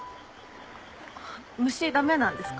虫駄目なんですか？